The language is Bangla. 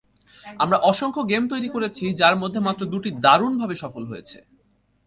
আমরা অসংখ্য গেম তৈরি করেছি, যার মধ্যে মাত্র দুটি দারুণভাবে সফল হয়েছে।